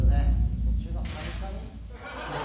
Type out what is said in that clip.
途中のはにかみ？